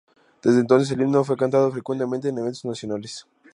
Desde entonces el himno fue cantado frecuentemente en eventos nacionales.